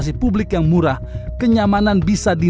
hanya saringan dari yesunya kan orang